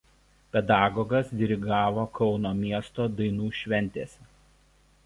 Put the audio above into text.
Pedagogas dirigavo Kauno miesto dainų šventėse.